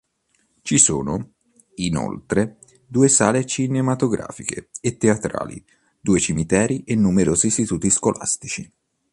Ci sono, inoltre, due sale cinematografiche e teatrali, due cimiteri e numerosi istituti scolastici.